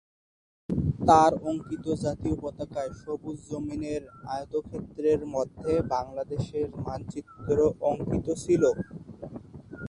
তাঁর অঙ্কিত জাতীয় পতাকায় সবুজ জমিনের আয়তক্ষেত্রের মধ্যে বাংলাদেশের মানচিত্র অঙ্কিত ছিল।